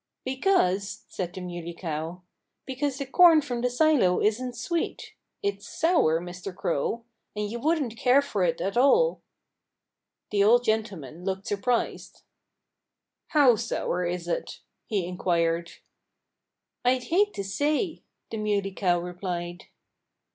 "Because " said the Muley Cow "because the corn from the silo isn't sweet. It's sour, Mr. Crow. And you wouldn't care for it at all." The old gentleman looked surprised. "How sour is it?" he inquired. "I'd hate to say," the Muley Cow replied.